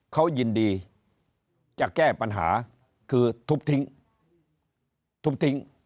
เขายินดีจะแก้ปัญหาคือทุบทิ้งทุบทิ้ง